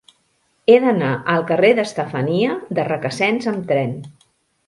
He d'anar al carrer d'Estefania de Requesens amb tren.